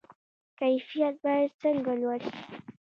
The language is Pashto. کیفیت باید څنګه لوړ شي؟